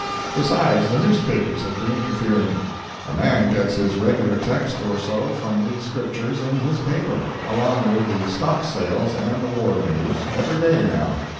Besides, the newspapers have been interfering; a man gets his regular text or so from the Scriptures in his paper, along with the stock sales and the war news, every day, now.